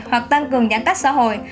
hoặc tăng cường giãn cách xã hội